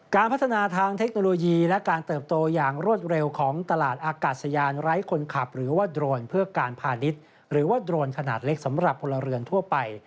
การพัฒนาทางเทคโนโลยีและการเติบโตอย่างรวดเร็วของตลาดอากาศยานไร้คนขับหรือว่าโดรนเพื่อการพาณิชย์หรือว่าโดรนขนาดเล็กสำหรับพลเรือนทั่วไป